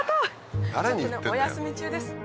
お休み中です。